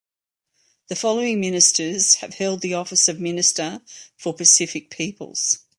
The following ministers have held the office of Minister for Pacific Peoples.